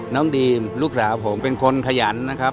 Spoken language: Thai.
ดีมลูกสาวผมเป็นคนขยันนะครับ